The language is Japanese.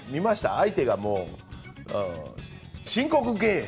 相手が申告敬遠。